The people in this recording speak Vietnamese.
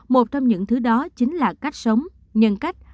một trong những thứ đó chính là cách sống nhân cách